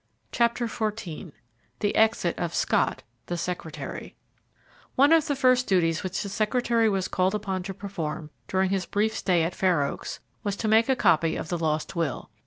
CHAPTER XIV THE EXIT OF SCOTT, THE SECRETARY One of the first duties which the secretary was called upon to perform, during his brief stay at Fair Oaks, was to make a copy of the lost will.